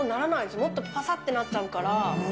もっとぱさっとなっちゃうから。